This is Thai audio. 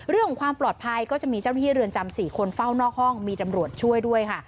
เรื่องของความปลอดภัยก็จะมีเจ้าหน้าที่เรือนจำ๔คนเฝ้านอกห้องมีตำรวจช่วยด้วยค่ะ